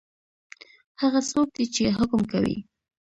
هغه څوک دی چی حکم کوي؟